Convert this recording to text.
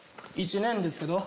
１年ですけど。